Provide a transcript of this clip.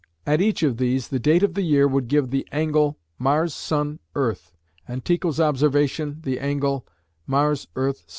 At each of these the date of the year would give the angle MSE (Mars Sun Earth), and Tycho's observation the angle MES.